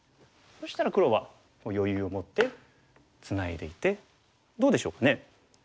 そしたら黒は余裕を持ってツナいでいてどうでしょうかね？